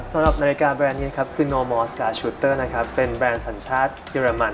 สำหรับนาฬิกาแบรนด์นี้ครับคือโนมอสกาชูเตอร์นะครับเป็นแบรนด์สัญชาติเยอรมัน